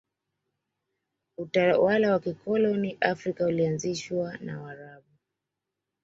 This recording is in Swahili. utawala wa kikoloni afrika ulianzishwa na waarabu